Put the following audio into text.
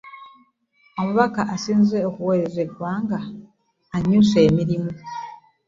Omubaka asinze okuweereza eggwanga yannyuse emirimu.